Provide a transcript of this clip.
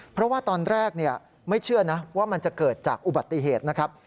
เพราะว่าตอนแรกไม่เชื่อนะว่ามันจะเกิดจากอุบัติเหตุนะครับ